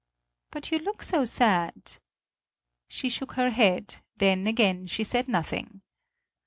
"But you look so sad!" She shook her head; then again she said nothing.